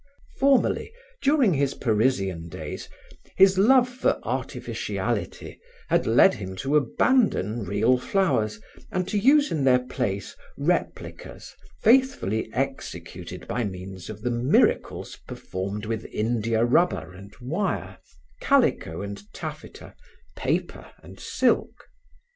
Formerly, during his Parisian days, his love for artificiality had led him to abandon real flowers and to use in their place replicas faithfully executed by means of the miracles performed with India rubber and wire, calico and taffeta, paper and silk.